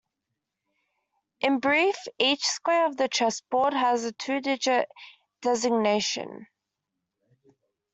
In brief, each square of the chessboard has a two-digit designation.